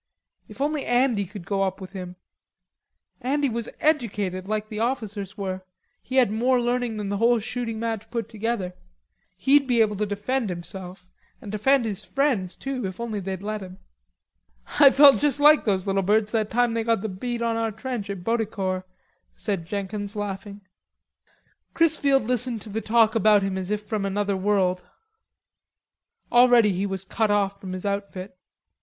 If only Andy could go up with him, Andy was educated, like the officers were; he had more learning than the whole shooting match put together. He'd be able to defend himself, and defend his friends, too, if only they'd let him. "I felt just like those little birds that time they got the bead on our trench at Boticourt," said Jenkins, laughing. Chrisfield listened to the talk about him as if from another world. Already he was cut off from his outfit.